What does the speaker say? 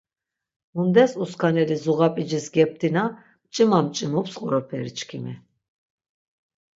Mundes uskaneli zuğap̌icis geptina mç̆ima mç̆imups qoroperi çkimi.